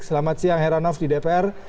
selamat siang heranov di dpr